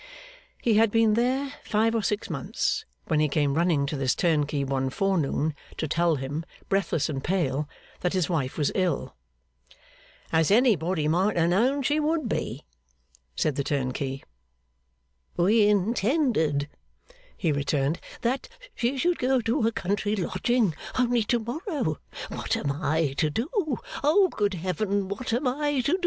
He had been there five or six months, when he came running to this turnkey one forenoon to tell him, breathless and pale, that his wife was ill. 'As anybody might a known she would be,' said the turnkey. 'We intended,' he returned, 'that she should go to a country lodging only to morrow. What am I to do! Oh, good heaven, what am I to do!